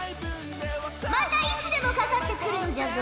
またいつでもかかってくるのじゃぞ。